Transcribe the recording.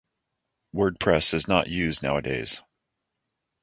Wordpress is not used now-a-days.